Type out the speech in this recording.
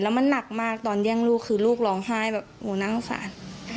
แล้วมันหนักมากตอนเยี่ยงลูกคือลูกร้องไห้แบบโอ๊ยนั่งสาน